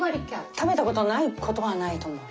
食べた事ない事はないと思う。